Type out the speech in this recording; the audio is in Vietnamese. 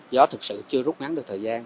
gió thực sự chưa rút ngắn được thời gian